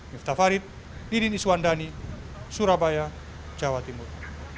miftah farid didin iswandani surabaya jawa timur